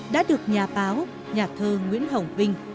đã được nhà báo nhà thơ nguyễn hồng vinh